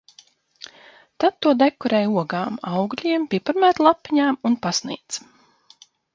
Tad to dekorē ogām, augļiem, piparmētru lapiņām un pasniedz.